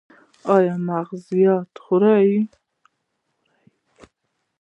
ایا مغزيات خورئ؟